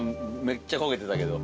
めっちゃ焦げてたけど。